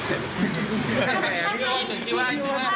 มีมูลไหมครับ